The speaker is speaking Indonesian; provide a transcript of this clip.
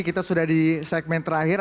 kita sudah di segmen terakhir